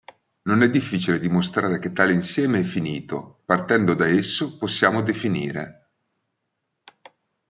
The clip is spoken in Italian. Non è difficile dimostrare che tale insieme è finito, partendo da esso possiamo definire.